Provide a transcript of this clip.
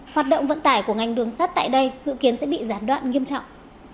hoạt động vận tải của ngành đường sắt tại đây dự kiến sẽ bị gián đoạn nghiêm trọng